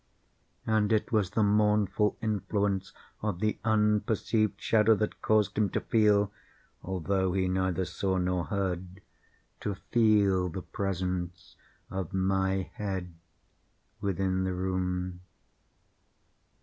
And it was the mournful influence of the unperceived shadow that caused him to feel—although he neither saw nor heard—to feel the presence of my head within the room.